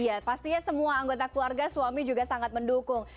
iya pastinya semua anggota keluarga suami juga sangat mendukung